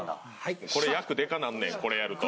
これ役でかくなんねんこれやると。